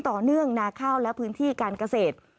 ต่อเนื่องนาข้าวและพื้นที่การเกษตร